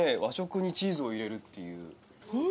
和食にチーズを入れるっていう。